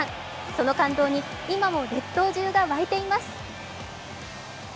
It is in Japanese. その感動に今も列島中が沸いています。